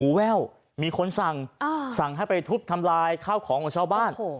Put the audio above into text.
แว่วมีคนสั่งสั่งให้ไปทุบทำลายข้าวของของชาวบ้าน